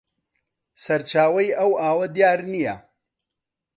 سەرچاوەی ئەو ئاوە دیار نییە